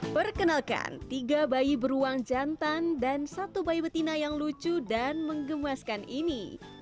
perkenalkan tiga bayi beruang jantan dan satu bayi betina yang lucu dan mengemaskan ini